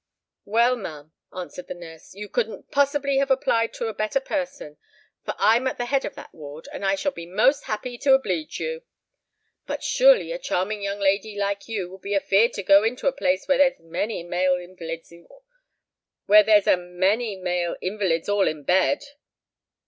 "Well, ma'am," answered the nurse, "you couldn't possibly have applied to a better person; for I'm at the head of that ward, and I shall be most happy to obleege you. But surely a charming young lady like you will be afeard to go into a place where there's a many male inwalids all in bed?"